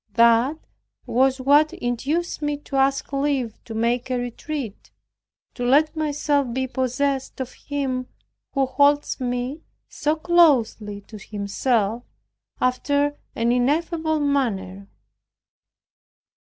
That was what induced me to ask leave to make a retreat, to let myself be possessed of Him who holds me so closely to Himself after an ineffable manner.